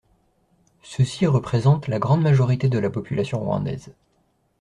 Ceux-ci représentent la grande majorité de la population rwandaise.